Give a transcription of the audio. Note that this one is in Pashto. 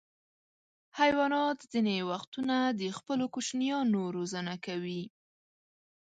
حیوانات ځینې وختونه د خپلو کوچنیانو روزنه کوي.